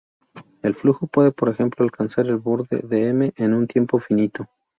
El flujo puede por ejemplo alcanzar el borde de "M" en un tiempo finito.